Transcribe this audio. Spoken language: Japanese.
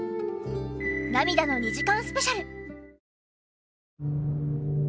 涙の２時間スペシャル